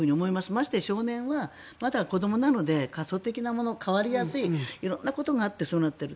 ましてや少年はまだ子どもなので可塑的なもの変わりやすい色んなことがあってそうなっている。